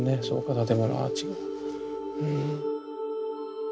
建物アーチが。